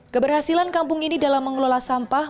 keberhasilan kampung ini dalam mengelola sampah